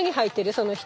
その人。